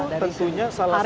itu tentunya salah satu